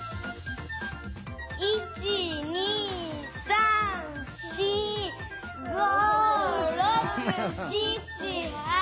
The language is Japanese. １２３４５６７８！